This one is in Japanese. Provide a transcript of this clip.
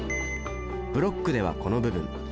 ブロックではこの部分。